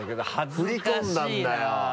振り込んだんだよ。